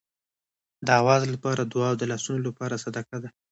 د آواز لپاره دعا او د لاسونو لپاره صدقه ده.